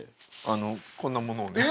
あのこんなものをね。